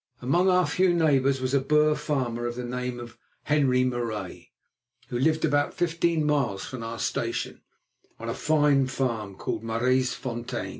Among our few neighbours was a Boer farmer of the name of Henri Marais, who lived about fifteen miles from our station, on a fine farm called Maraisfontein.